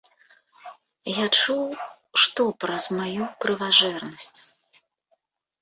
Я чуў, што праз маю крыважэрнасць.